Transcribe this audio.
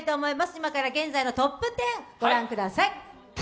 今から現在のトップ１０御覧ください。